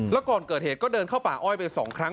แล้วก่อนเกิดเหตุก็เดินเข้าป่าอ้อยไป๒ครั้ง